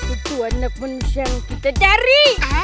itu anak manusia yang kita cari